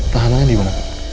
tahanannya dimana pak